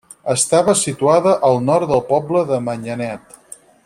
Estava situada al nord del poble de Manyanet.